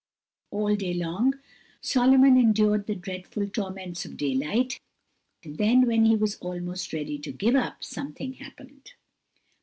All day long Solomon endured the dreadful torments of daylight; then, when he was almost ready to give up, something happened.